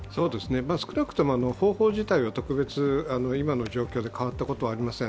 少なくとも方向自体は特別、今の状況で変わったことはありません。